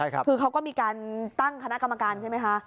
คือเขาก็มีการตั้งคณะกรรมการใช่ไหมคะ